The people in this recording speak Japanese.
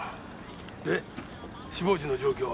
で死亡時の状況は？